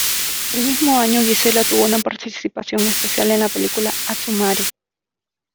El mismo año, Gisela tuvo una participación especial en la película "Asu Mare".